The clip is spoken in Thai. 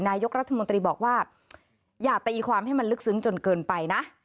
นายกรัฐมนตรีบอกว่าอย่าตีความให้มันลึกซึ้งจนเกินไปนะ